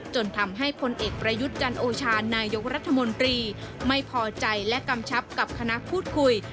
จนทำให้พลเอกประยุทธ์จันโอชานายกรัฐมนตรีไม่พอใจและกำชับกับคณะพูดคุย